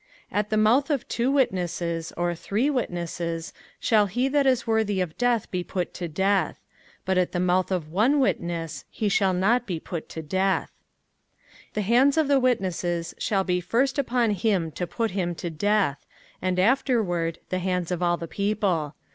05:017:006 At the mouth of two witnesses, or three witnesses, shall he that is worthy of death be put to death; but at the mouth of one witness he shall not be put to death. 05:017:007 The hands of the witnesses shall be first upon him to put him to death, and afterward the hands of all the people.